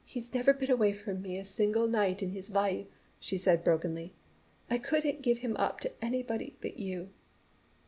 "He's never been away from me a single night in his life," she said brokenly. "I couldn't give him up to anybody but you."